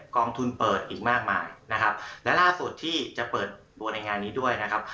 กองทุนเปิดอีกมากมายนะครับและล่าสุดที่จะเปิดตัวในงานนี้ด้วยนะครับ